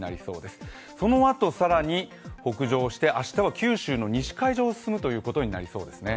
そのあと、更に北上して明日は九州の西海上を進むということですね。